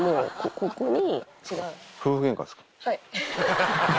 ここに。